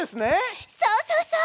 そうそうそう！